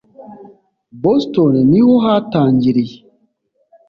boston niho hatangiriye